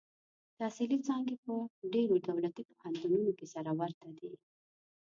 تحصیلي څانګې په ډېرو دولتي پوهنتونونو کې سره ورته دي.